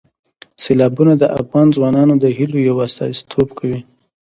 سیلابونه د افغان ځوانانو د هیلو یو استازیتوب کوي.